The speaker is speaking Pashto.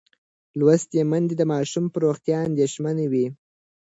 لوستې میندې د ماشوم پر روغتیا اندېښمنه وي.